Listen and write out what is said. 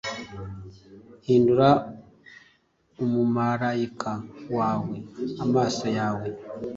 hindura umumarayika wawe amaso yawe